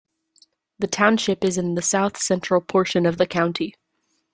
The township is in the south central portion of the county.